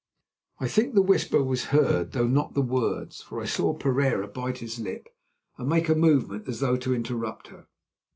I think the whisper was heard, though not the words, for I saw Pereira bite his lip and make a movement as though to interrupt her.